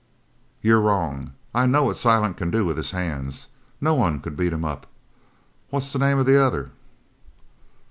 "You're wrong. I know what Silent can do with his hands. No one could beat him up. What's the name of the other?"